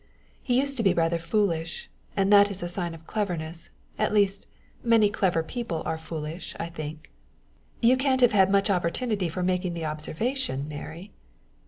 "He used to be rather foolish, and that is a sign of cleverness at least, many clever people are foolish, I think." "You can't have had much opportunity for making the observation, Mary!"